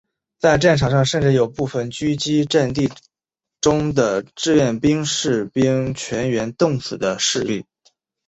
在战场上甚至有部分阻击阵地中的志愿兵士兵全员冻死的事例。